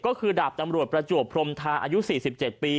ก็คือดาบตำรวจประจวบพรมทาอายุ๔๗ปี